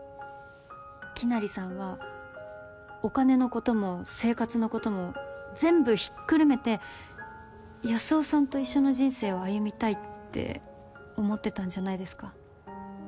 きなりさんはお金のことも生活のことも全部ひっくるめて安生さんと一緒の人生を歩みたいって思ってたんじゃないですか？